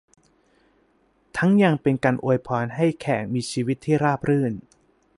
ทั้งยังเป็นการอวยพรให้แขกมีชีวิตที่ราบรื่น